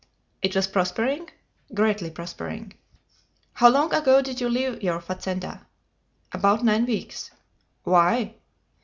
"It was prospering?" "Greatly prospering." "How long ago did you leave your fazenda?" "About nine weeks." "Why?"